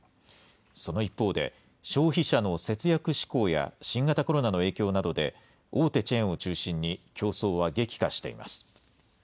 その一方で、消費者の節約志向や新型コロナの影響などで、大手チェーンを中心に競争は激化しています。